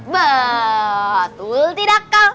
betul tidak kak